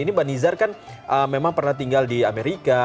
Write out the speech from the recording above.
ini mbak nizar kan memang pernah tinggal di amerika